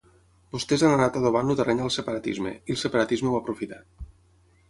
Vostès han anat adobant el terreny al separatisme, i el separatisme ho ha aprofitat.